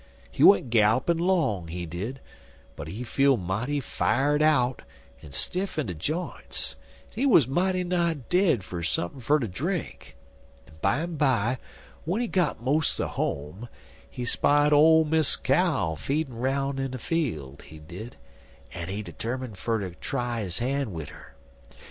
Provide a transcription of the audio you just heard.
He went gallopin' 'long, he did, but he feel mighty fired out, en stiff in his jints, en he wuz mighty nigh dead for sumpin fer ter drink, en bimeby, w'en he got mos' home, he spied ole Miss Cow feedin' roun' in a fiel', he did, en he 'termin' fer ter try his han' wid 'er.